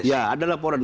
ya ada laporan